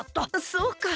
そうか！